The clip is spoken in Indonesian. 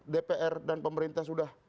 dpr dan pemerintah sudah